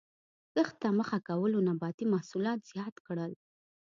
کښت ته مخه کولو نباتي محصولات زیات کړل